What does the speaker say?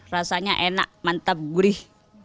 rasanya enak mantap gurih